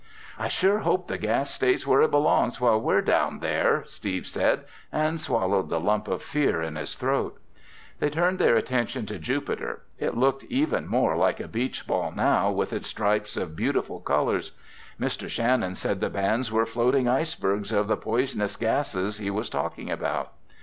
"I sure hope the gas stays where it belongs while we're down there!" Steve said and swallowed the lump of fear in his throat. They turned their attention to Jupiter. It looked even more like a beach ball now with its stripes of beautiful colors. Mr. Shannon said the bands were floating ice bergs of the poisonous gases he was talking about.